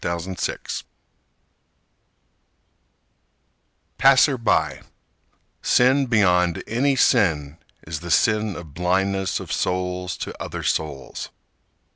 Jeremy Carlisle Passer by, sin beyond any sin Is the sin of blindness of souls to other souls.